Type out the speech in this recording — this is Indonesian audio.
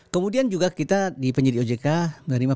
kemudian juga kita di penyidikan ojk menerima pengaduan masyarakat